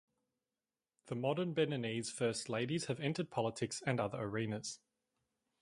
The modern Beninese first ladies have entered politics and other arenas.